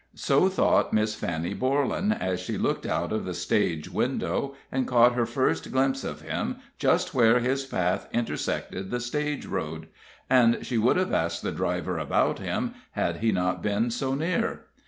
So thought Miss Fanny Borlan as she looked out of the stage window, and caught her first glimpse of him just where his path intersected the stage road; and she would have asked the driver about him, had he not been so near.